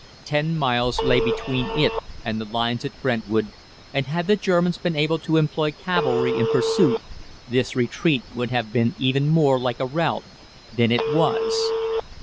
Ten miles lay between it and the lines at Brentwood, and had the Germans been able to employ cavalry in pursuit, this retreat would have been even more like a rout than it was.